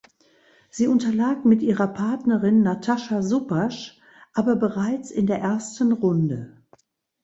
Sie unterlag mit ihrer Partnerin Natasha Subhash aber bereits in der ersten Runde.